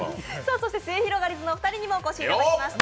そしてすゑひろがりずのお二人にもお越しいただきました。